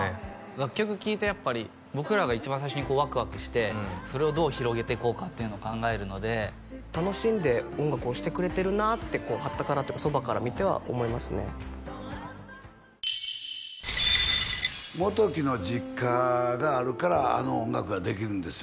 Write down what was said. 楽曲聴いてやっぱり僕らが一番最初にこうワクワクしてそれをどう広げていこうかっていうのを考えるので楽しんで音楽をしてくれてるなってこうはたからそばから見ては思いますね元貴の実家があるからあの音楽ができるんですよ